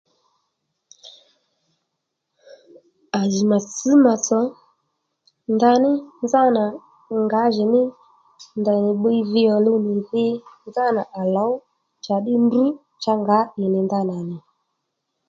À jì mà tsš mà tsò ndaní nzánà ngǎjìní ndèynì bbiy vi ò luw nì dhi nzánà à lǒw njàddí ndrǔ cha ngǎ ì nì ndanà nì